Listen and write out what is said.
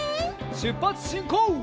しゅっぱつしんこう！